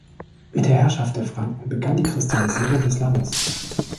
Mit der Herrschaft der Franken begann die Christianisierung des Landes.